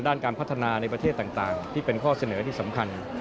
ด้านการพัฒนาในประเทศต่างที่เป็นข้อเสนอที่สำคัญ